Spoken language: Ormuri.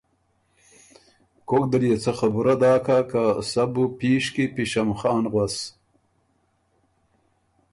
کوک دل يې څه خبُره داکا که سۀ بُو پيش کی پشمخان غؤس؟